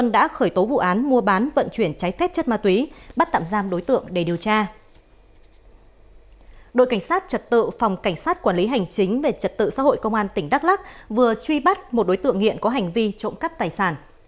đội cảnh sát trật tự phòng cảnh sát quản lý hành chính về trật tự xã hội công an tỉnh đắk lắc vừa truy bắt một đối tượng nghiện có hành vi trộm cắp tài sản